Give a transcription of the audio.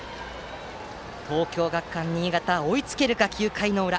東京学館新潟は追いつけるか９回の裏。